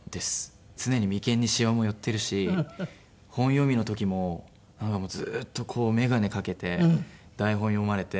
常に眉間にしわも寄ってるし本読みの時もなんかもうずっと眼鏡かけて台本読まれて。